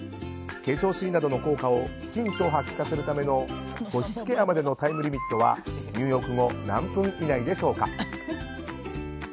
化粧水などの効果をきちんと発揮させるための保湿ケアまでのタイムリミットは入浴後、何分以内でしょうか？